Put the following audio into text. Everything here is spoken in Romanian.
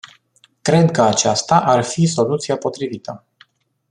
Cred ca aceasta ar fi soluția potrivită.